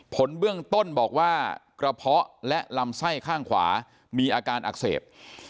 ผลเบื้องต้นบอกว่ากระเพาะและลำไส้ข้างขวามีอาการอักเสบ